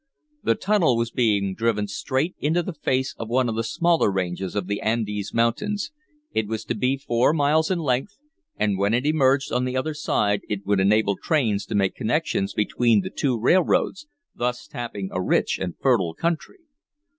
The tunnel was being driven straight into the face of one of the smaller ranges of the Andes Mountains. It was to be four miles in length, and when it emerged on the other side it would enable trains to make connections between the two railroads, thus tapping a rich and fertile country.